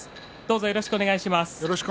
よろしくお願いします。